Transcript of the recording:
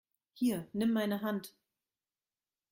Hier, nimm meine Hand!